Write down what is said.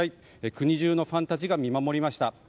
国中のファンたちが見守りました。